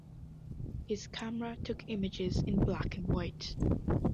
His camera took images in black-and-white.